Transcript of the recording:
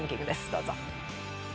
どうぞ。